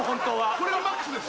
これがマックスです。